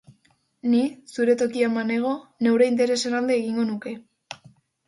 Ni, zure tokian banengo, neure interesen alde egingo nuke...